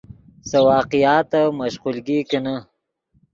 سے واقعاتف مشقولگی کینے